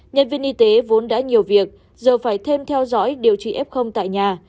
nhân viên y tế vốn đã nhiều việc giờ phải thêm theo dõi điều trị f tại nhà